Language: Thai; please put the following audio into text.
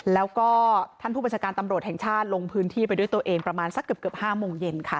แล้วก็ท่านผู้บัญชาการตำรวจแห่งชาติลงพื้นที่ไปด้วยตัวเองประมาณสักเกือบ๕โมงเย็นค่ะ